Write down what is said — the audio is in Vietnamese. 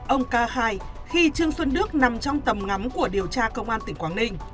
ông ca khai khi trương xuân đước nằm trong tầm ngắm của điều tra công an tỉnh quảng ninh